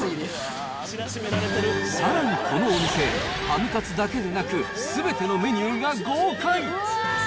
さらにこのお店、ハムカツだけでなく、すべてのメニューが豪快。